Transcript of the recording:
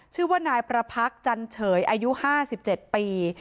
ชื่อว่านายประพักษ์จันเฉยอายุ๕๗ปี